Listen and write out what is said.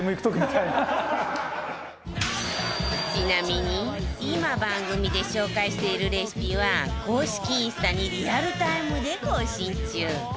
ちなみに今番組で紹介しているレシピは公式インスタにリアルタイムで更新中